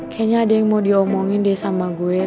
kayaknya ada yang mau diomongin dia sama gue